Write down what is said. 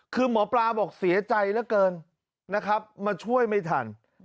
คือหมอปลาบอกเสียใจเหลือเกินนะครับมาช่วยไม่ทัน